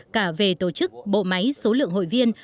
cả về tổ chức bộ máy số lượng hội viên